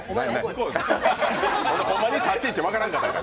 ほんまに立ち位置分からんかったんや。